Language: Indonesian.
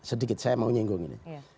sedikit saya mau nyinggung ini